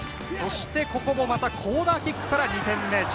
そしてここもまたコーナーキックから２点目。